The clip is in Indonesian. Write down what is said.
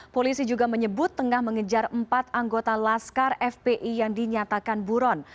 polisi juga menyebut tengah mengejar empat anggota laskar fpi yang dinyatakan buron